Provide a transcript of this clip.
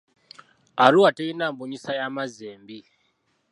Arua terina mbunyisa y'amazzi embi.